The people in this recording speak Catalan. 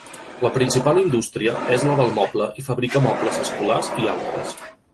La principal indústria és la del moble i fabrica mobles escolars i altres.